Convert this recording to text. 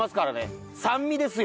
酸味ですよ！